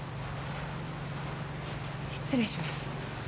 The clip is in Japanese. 失礼します。